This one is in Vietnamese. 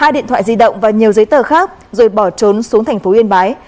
hai điện thoại di động và nhiều giấy tờ khác rồi bỏ trốn xuống thành phố yên bái